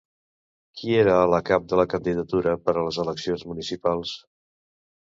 Qui era la cap de la candidatura per a les eleccions municipals?